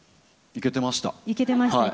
いけてました。